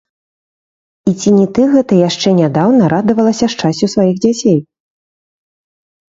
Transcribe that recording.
І ці не ты гэта яшчэ нядаўна радавалася шчасцю сваіх дзяцей?